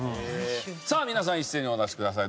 さあ皆さん一斉にお出しください。